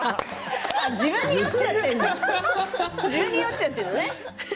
笑い声自分に酔っちゃってるのね